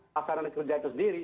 pelaksanaan kerja itu sendiri